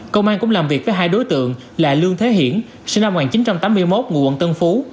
công an cũng làm việc với hai đối tượng là lương thế hiển sinh năm một nghìn chín trăm tám mươi một ngụ quận tân phú